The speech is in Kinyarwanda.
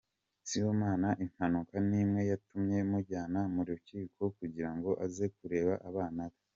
Simbona impamvu n’imwe yatuma mujyana mu rukiko kugira ngo aze kureba abana be.